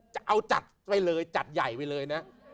จะเอาจัดไปเลยจัดใหญ่ไปเลยนะ